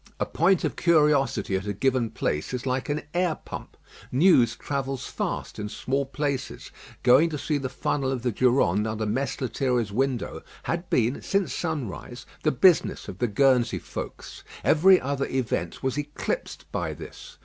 A point of curiosity at a given place is like an air pump. News travel fast in small places. Going to see the funnel of the Durande under Mess Lethierry's window had been, since sunrise, the business of the Guernsey folks. Every other event was eclipsed by this.